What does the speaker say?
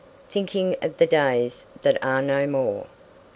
"Thinking of the days that are no more."